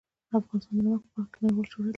افغانستان د نمک په برخه کې نړیوال شهرت لري.